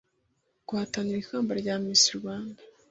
Guhatanira ikamba rya Miss Rwanda